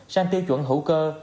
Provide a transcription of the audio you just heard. sang tiêu chuẩn hữu cơ